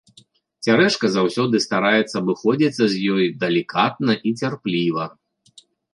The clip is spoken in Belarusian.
Цярэшка заўсёды стараецца абыходзіцца з ёю далікатна і цярпліва.